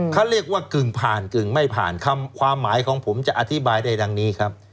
เขาเรียกว่ากึ่งผ่านกึ่งไม่ผ่านคำความหมายของผมจะอธิบายได้ดังนี้ครับ